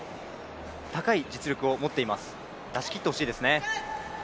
高い実力を持っています、出しきってほしいですね。